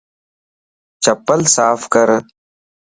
چپل صاف ڪر